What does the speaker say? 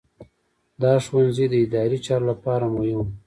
دا ښوونځي د اداري چارو لپاره مهم وو.